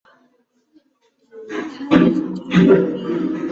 之后成为足球教练。